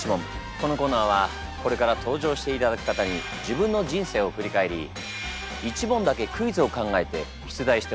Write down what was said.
このコーナーはこれから登場していただく方に自分の人生を振り返り一問だけクイズを考えて出題してもらいます。